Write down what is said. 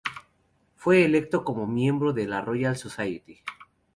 Fue electo como miembro de la Royal Society.